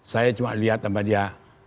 saya cuma lihat apa dia